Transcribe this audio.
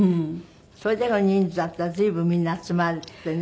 それだけの人数だったら随分みんな集まってね。